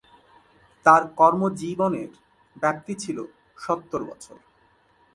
তার কর্মজীবনের ব্যপ্তি ছিল সত্তর বছর।